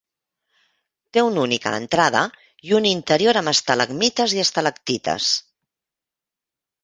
Té una única entrada i un interior amb estalagmites i estalactites.